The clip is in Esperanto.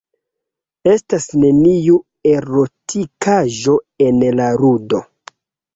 Estas neniu erotikaĵo en la ludo.